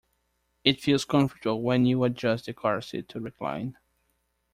It feels comfortable when you adjust the car seat to recline.